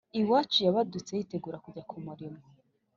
iwacu yabadutse yitegura kujya ku murimo